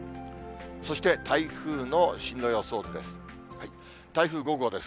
そして台風の進路予想図です。